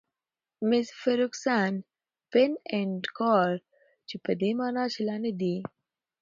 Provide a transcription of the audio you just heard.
میس فرګوسن: 'pan encore' چې په دې مانا چې لا نه دي.